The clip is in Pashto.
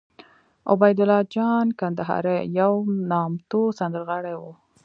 عبیدالله جان کندهاری یو نامتو سندرغاړی وو